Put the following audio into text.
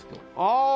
ああ！